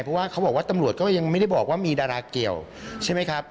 เพราะว่าเขาบอกว่าตำรวจก็ยังไม่ได้บอกว่ามีดาราเกี่ยวใช่ไหมครับ